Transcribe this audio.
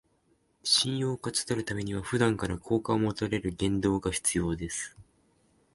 信用を勝ち取るためには、普段から好感を持たれる言動が必要です